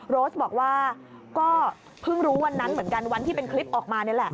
โรสบอกว่าก็เพิ่งรู้วันนั้นเหมือนกันวันที่เป็นคลิปออกมานี่แหละ